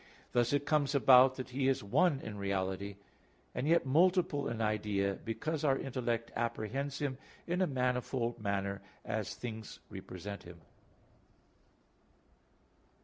Thus it comes about that He is one in reality, and yet multiple in idea, because our intellect apprehends Him in a manifold manner, as things represent Him.